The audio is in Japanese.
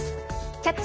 「キャッチ！